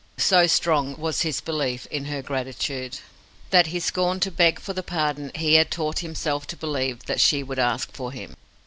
So strong was his belief in her gratitude, that he scorned to beg for the pardon he had taught himself to believe that she would ask for him.